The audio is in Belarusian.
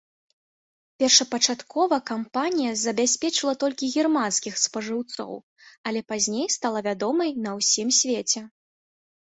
Першапачаткова кампанія забяспечвала толькі германскіх спажыўцоў, але пазней стала вядомай на ўсім свеце.